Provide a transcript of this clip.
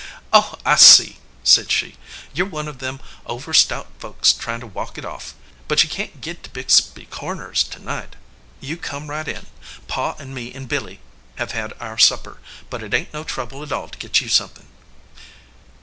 "Oh, I see," said she. "You re one of them over stout folks tryin to walk it off. But you can t git to Bixby Corners to night. You come right in. Pa and me and Billy have had our supper, but it ain t no trouble at all to git you something."